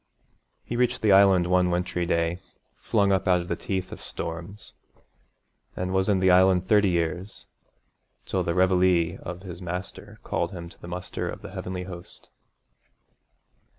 He reached the Island one wintry day, flung up out of the teeth of storms, and was in the Island thirty years, till the reveille of his Master called him to the muster of the Heavenly host.